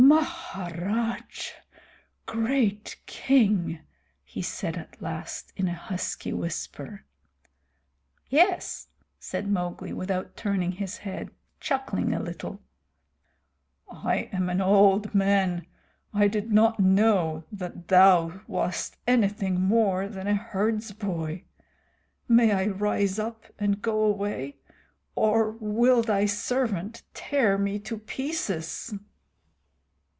"Maharaj! Great King," he said at last in a husky whisper. "Yes," said Mowgli, without turning his head, chuckling a little. "I am an old man. I did not know that thou wast anything more than a herdsboy. May I rise up and go away, or will thy servant tear me to pieces?"